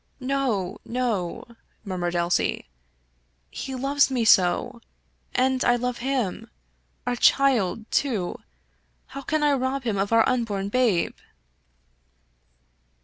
" No, no !" murmured Elsie. " He loves me so ! And I love him. Our child, too— how can I rob him of our unborn babe